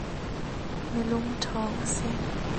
Mi lungṭhawng a si.